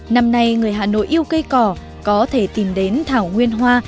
năm nay người hà nội yêu cây cỏ có thể tìm đến thảo nguyên hoa